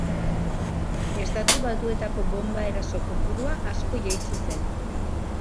Estatu Batuetako bonba-eraso kopurua asko jaitsi zen.